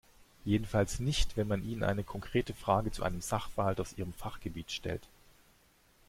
Jedenfalls nicht, wenn man ihnen eine konkrete Frage zu einem Sachverhalt aus ihrem Fachgebiet stellt.